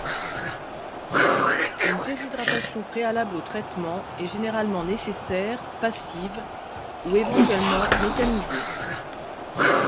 Une déshydradation préalable au traitement est généralement nécessaire, passive ou éventuellement mécanisée.